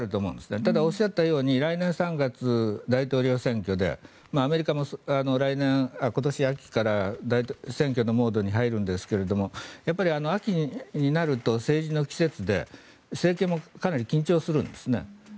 ただ、おっしゃったように来年３月、大統領選挙でアメリカも今年秋から選挙のモードに入るんですがやっぱり秋になると政治の季節で政権もかなり緊張するんですね。